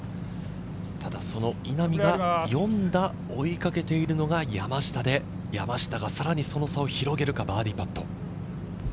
ただ、稲見が４打追いかけているのが山下で、山下がさらにその差を広げるか、バーディーパット。